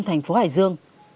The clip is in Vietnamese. thành phố hải dương